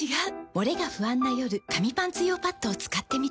モレが不安な夜紙パンツ用パッドを使ってみた。